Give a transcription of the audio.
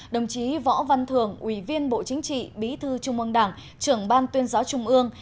đồng chí võ văn thường ủy viên bộ chính trị bí thư trung ương đảng trưởng ban tuyên giáo trung ương